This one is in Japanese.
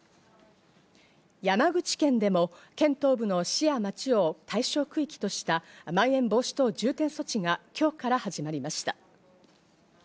山口県でも県東部の市や町を対象区域としたまん延防止等重点措置が今日から始まりました。